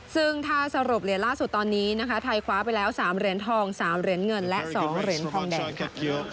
ซึ่งถ้าสรุปเหรียญล่าสุดตอนนี้นะคะไทยคว้าไปแล้ว๓เหรียญทอง๓เหรียญเงินและ๒เหรียญทองแดงค่ะ